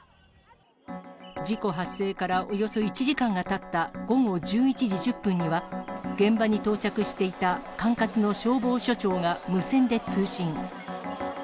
事故発生からおよそ１時間がたった午後１１時１０分には、現場に到着していた管轄の消防署長が無線で通信。